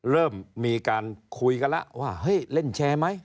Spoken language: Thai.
เริ่มมีการคุยกันแล้วว่าเฮ้ยเล่นแชร์ไหม